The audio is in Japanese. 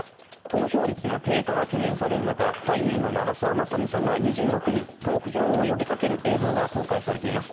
投票率の低下が懸念される中、俳優の長澤まさみさんら２６人が投票を呼びかける映像が公開されています。